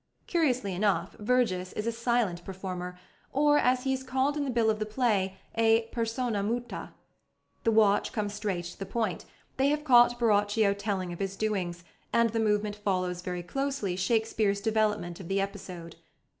Curiously enough, Verges is a silent performer, or, as he is called in the bill of the play, a "persona muta." The watch come straight to the point. They have caught Borachio telling of his doings, and the movement follows very closely Shakespeare's development of the episode.